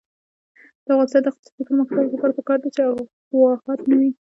د افغانستان د اقتصادي پرمختګ لپاره پکار ده چې افواهات نه وي.